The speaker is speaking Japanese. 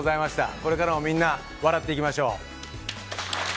これからもみんな、笑っていきましょう。